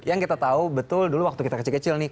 yang kita tahu betul dulu waktu kita kecil kecil nih